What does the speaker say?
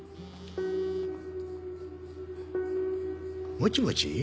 もちもち？